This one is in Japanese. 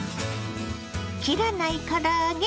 切らないから揚げ